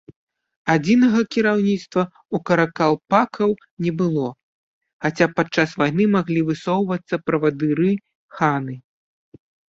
Адзінага кіраўніцтва ў каракалпакаў не было, хаця падчас вайны маглі высоўвацца правадыры-ханы.